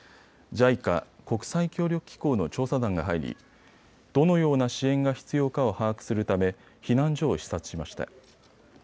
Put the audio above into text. ＪＩＣＡ・国際協力機構の調査団が入りどのような支援が必要かを把握するため避難所を視察しました。